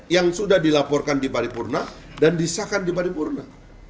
yang sudah dilaporkan di paripurna dan disahkan di paripurna